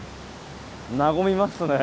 和みますね。